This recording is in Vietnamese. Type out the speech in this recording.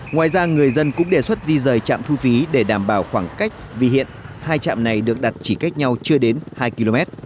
ngoài ra người dân cũng đề xuất di rời trạm thu phí để đảm bảo khoảng cách vì hiện hai trạm này được đặt chỉ cách nhau chưa đến hai km